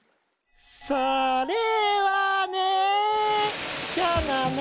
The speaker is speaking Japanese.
それはね。